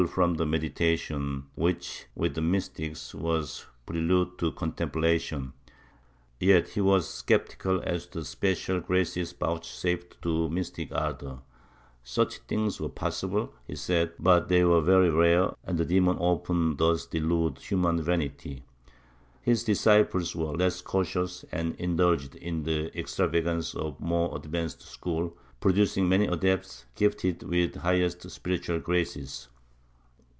IV 2 18 MYSTICISM [Book VIII the meditation which, with the mystics, was the prelude to contem plation/ Yet he was sceptical as to special graces vouchsafed to mystic ardor ; such things were possible, he said, but they were very rare and the demon often thus deludes human vanity.^ His disciples were less cautious and indulged in the extravagance of the more advanced school, producing many adepts gifted with the highest spiritual graces.